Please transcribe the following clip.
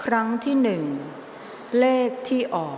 ออกรางวัลที่๒ครั้งที่๒เลขที่ออก